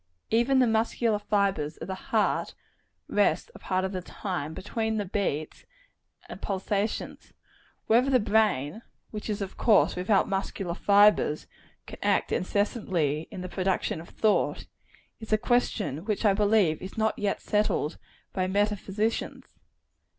Even the muscular fibres of the heart rest a part of the time, between the beats and pulsations. Whether the brain which is of course without muscular fibres can act incessantly in the production of thought, is a question which I believe is not yet settled by meta physicians.